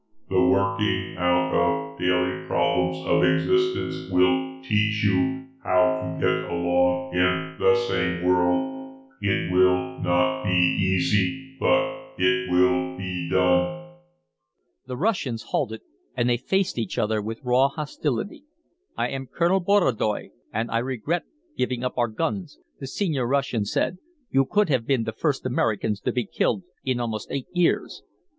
The working out of daily problems of existence will teach you how to get along in the same world. It will not be easy, but it will be done." The Russians halted and they faced each other with raw hostility. "I am Colonel Borodoy and I regret giving up our guns," the senior Russian said. "You could have been the first Americans to be killed in almost eight years."